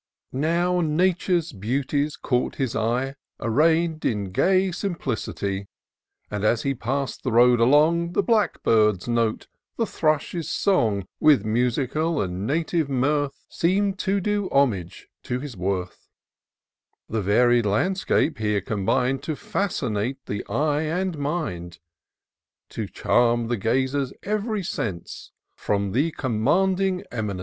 Now Nature's beauties caught his eye, Array'd in gay simplicity : And as he pass'd the road along, The blackbird's note, the thrush's song, With musical and native mirth, Seem'd to do homage to his worth : The varied landscape here combined To fascinate the eye and mind, To charm the gazer's ev'ry sense From the commanding eminence.